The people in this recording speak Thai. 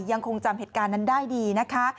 ยังคงจำเหตุการณ์นั้นได้ดีนะคะ